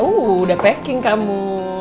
uh udah packing kamu